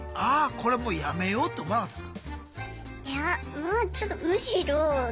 これもうやめようって思わなかったですか？